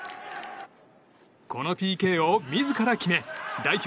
このＰＫを自ら決め代表